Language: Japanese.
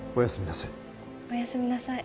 おやすみなさい